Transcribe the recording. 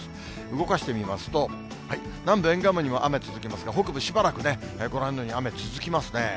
動かしてみますと、南部沿岸部にも雨続きますが、北部、しばらくね、ご覧のように雨続きますね。